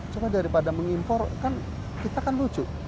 cuma daripada mengimpor kan kita kan lucu